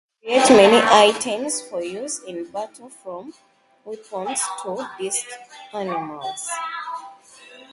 They create many items for use in battle, from weapons to Disc Animals.